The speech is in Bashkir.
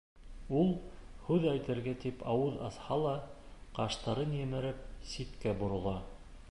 Ул, һүҙ әйтергә тип ауыҙ асһа ла, ҡаштарын емереп, ситкә борола.